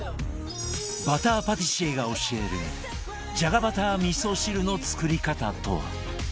バターパティシエが教えるじゃがバター味噌汁の作り方とは？